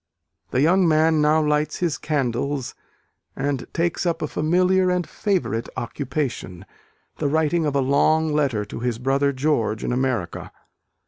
The young man now lights his candles, and takes up a familiar and favourite occupation; the writing of a long letter to his brother George in America.